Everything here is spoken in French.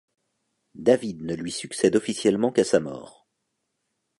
David ne lui succède officiellement qu'à sa mort.